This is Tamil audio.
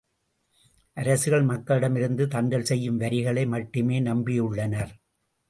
அரசுகள் மக்களிடமிருந்து தண்டல் செய்யும் வரிகளை மட்டுமே நம்பியுள்ளனர்.